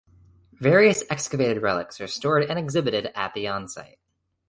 Various excavated relics are stored and exhibited at the on site.